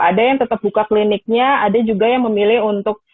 ada yang tetap buka kliniknya ada juga yang memilih untuk